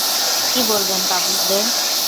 কী বলবেন পাবলিকদের?